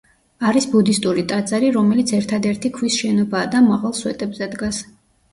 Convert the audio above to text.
არის ბუდისტური ტაძარი, რომელიც ერთადერთი ქვის შენობაა და მაღალ სვეტებზე დგას.